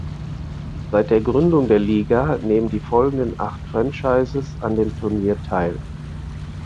Seit der Gründung der Liga nehmen die folgenden acht Franchises an dem Turnier teil.